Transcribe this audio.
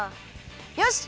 よし！